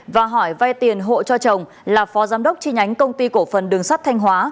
và hỏi vay tiền hộ cho chồng là phó giám đốc tri nhánh công ty cổ phần đường sắt thanh hóa